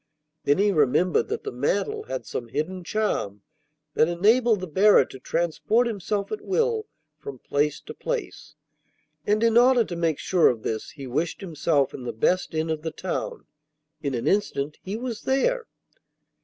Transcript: Then he remembered that the mantle had some hidden charm that enabled the bearer to transport himself at will from place to place, and in order to make sure of this he wished himself in the best inn of the town. In an instant he was there.